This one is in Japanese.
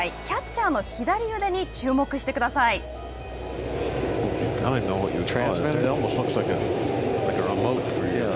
キャッチャーの左腕に注目してください。